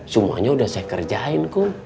semuanya udah saya kerjain kok